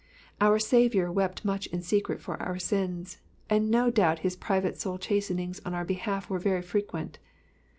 , Our Saviour wept much in secret for our sins, and no doubt his private soul chastenings on our behalf were very frequent.